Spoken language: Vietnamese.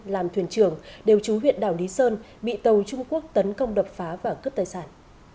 làm thuyền trưởng đều chú huyện đảo lý sơn bị tàu trung quốc tấn công đập phá và cướp tài sản